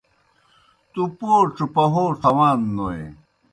تُوْ پوڇوْ پہَوڇوْ خوان نوئے۔